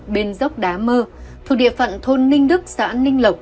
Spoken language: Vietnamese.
bên dốc đá mơ thuộc địa phận thôn ninh đức xã ninh lộc